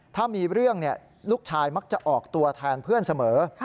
ถ้ามีเรื่องลูกชายมักจะออกตัวแทนเพื่อนเสมอ